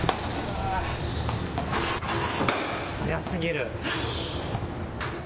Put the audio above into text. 速すぎる。